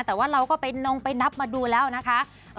แต่ว่าเราก็ไปนงไปนับมาดูแล้วนะคะ